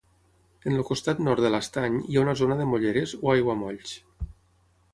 En el costat nord de l'estany hi ha una zona de molleres, o aiguamolls.